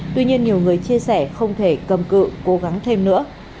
tuy nhiên nhiều người chia sẻ không thể cầm cự cố gắng thêm nữa